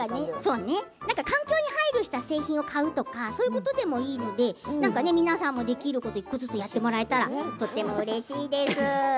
環境に配慮した製品を買うとかそんなことでもいいので皆さんもできること１個ずつやってもらえたらとてもうれしいです。